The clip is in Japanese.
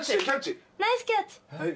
ナイスキャッチ。